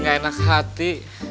nggak enak hati